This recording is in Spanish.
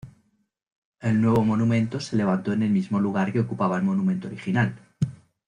El nuevo monumento se levantó en el mismo lugar que ocupaba el monumento original.